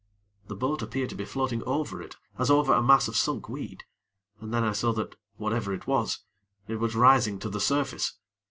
The boat appeared to be floating over it as over a mass of sunk weed, and then I saw that, whatever it was, it was rising to the surface.